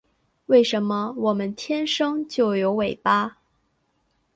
为什么我们天生就有尾巴